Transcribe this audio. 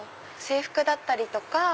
制服だったりとか。